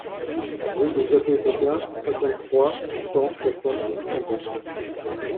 Rue des Abbés Gaugain, cinquante-trois, cent soixante Hambers